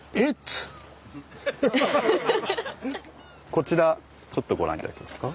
こちらちょっとご覧頂けますか。